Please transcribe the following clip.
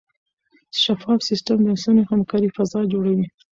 شفاف سیستم د سمې همکارۍ فضا جوړوي.